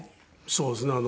そうですね。